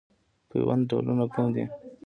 د پیوند ډولونه کوم دي؟